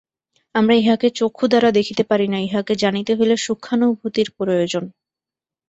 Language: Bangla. আমরা ইহাকে চক্ষু দ্বারা দেখিতে পারি না, ইহাকে জানিতে হইলে সূক্ষ্মানুভূতির প্রয়োজন।